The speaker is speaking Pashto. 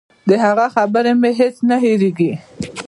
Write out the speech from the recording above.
د هغه خبرې مې هېڅ نه هېرېږي.